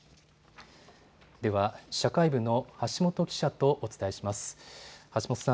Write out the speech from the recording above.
では、社会部の橋本記者とお伝えします。